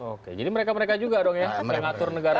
oke jadi mereka mereka juga dong ya yang ngatur negara